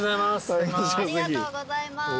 ありがとうございます。